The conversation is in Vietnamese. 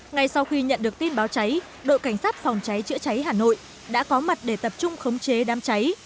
ngay sau khi nhận được tin báo cháy đội cảnh sát phòng cháy chữa cháy hà nội đã có mặt để tập trung khống chế đám cháy